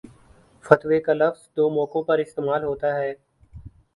فتوے کا لفظ دو موقعوں پر استعمال ہوتا ہے